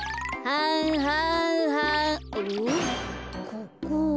ここ。